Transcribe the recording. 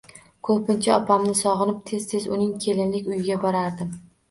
Ko`pincha opamni sog`inib, tez-tez uning kelinlik uyiga borardim